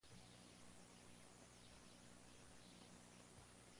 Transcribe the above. Pero, a falta de prueba, esto es solo una hipótesis.